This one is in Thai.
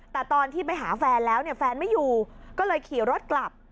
แต่ตอนที่ไปหาแฟนแล้วเนี่ยแฟนไม่อยู่ก็เลยขี่รถกลับ